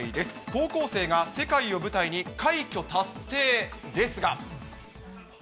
高校生が世界を舞台に快挙達成ですが。